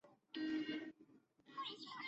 曷利沙跋摩三世。